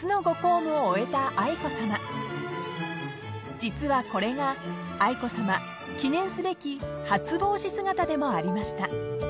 ［実はこれが愛子さま記念すべき初帽子姿でもありました］